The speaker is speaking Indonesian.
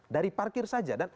dari parkir saja